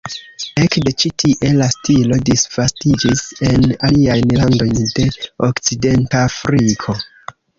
Ekde ĉi tie la stilo disvastiĝis en aliajn landojn de Okcidentafriko.